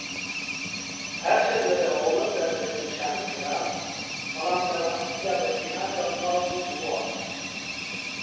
ھەرچەندە لە ھۆلەندا دەستنیشانکرا بەڵام لەڕاستیدا بە جیھاندا بڵاوببۆوە.